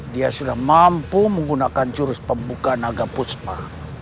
dia sudah mampu menggunakan jurus pembuka naga puspa